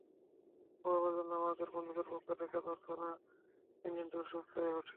ওহাবের জন্য আমাদের বন্ধুদের পক্ষ থেকে প্রার্থনা—তিনি যেন দ্রুত সুস্থ হয়ে ওঠেন।